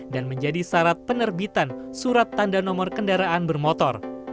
dan menjadi syarat penerbitan surat tanda nomor kendaraan bermotor